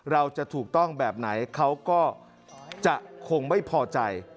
เราจะถูกต้องแบบไหนเขาก็จะคงไม่พอใจ